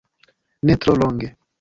Ne tro longe.